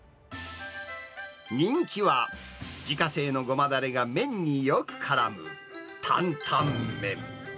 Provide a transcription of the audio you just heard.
人気は、自家製のごまだれが麺によくからむ担々麺。